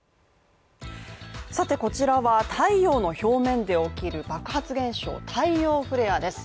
さてこちらは太陽の表面で起きる爆発現象、太陽フレアです